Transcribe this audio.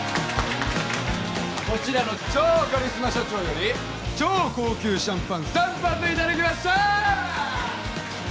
こちらの超カリスマ社長より超高級シャンパン３発いただきました！